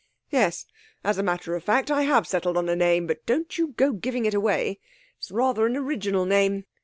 'Yes, as a matter of fact I have settled on a name; but don't you go giving it away. It's rather an original name.